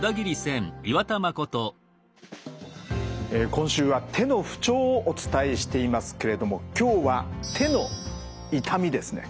今週は手の不調をお伝えしていますけれども今日は手の痛みですね。